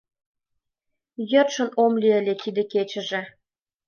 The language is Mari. Йӧршын ом лий ыле тиде кечыже.